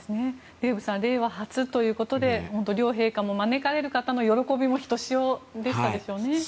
デーブさん、令和初ということで両陛下も招かれる方の喜びもひとしおでしたでしょうね。